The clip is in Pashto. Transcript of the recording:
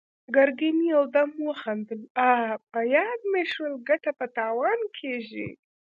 ګرګين يودم وخندل: اه! په ياد مې شول، ګټه په تاوان کېږي!